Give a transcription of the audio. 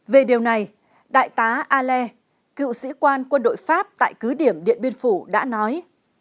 về điều này đại tá ale cựu sĩ quan quân đội pháp tại cứ điểm điện biên phủ đã nói